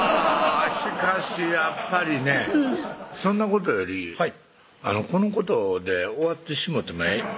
しかしやっぱりねそんなことよりこのことで終わってしもてもええ？